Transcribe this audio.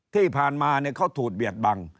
ที่ผ่านมาเนี่ยเขาถูดเบียดบัง